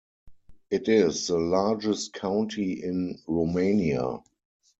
It is the largest county in Romania.